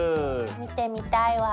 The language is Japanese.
見てみたいわ。